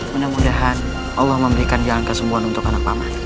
mudah mudahan allah memberikan jalan kesembuhan untuk anak paman